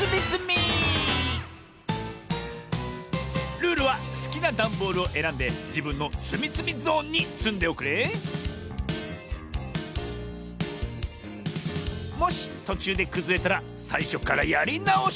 ルールはすきなダンボールをえらんでじぶんのつみつみゾーンにつんでおくれもしとちゅうでくずれたらさいしょからやりなおし。